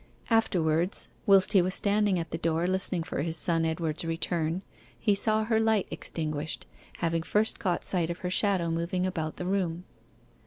Afterwards, whilst he was standing at the door listening for his son Edward's return, he saw her light extinguished, having first caught sight of her shadow moving about the room.